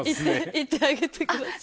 行ってあげてください。